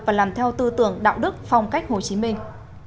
và làm theo tư tưởng đạo đức phong cách hồ chí minh